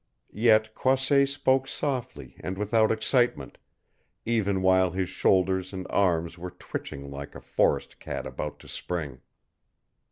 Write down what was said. Yet Croisset spoke softly and without excitement, even while his shoulders and arms were twitching like a forest cat about to spring.